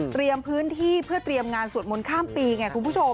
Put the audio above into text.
พื้นที่เพื่อเตรียมงานสวดมนต์ข้ามปีไงคุณผู้ชม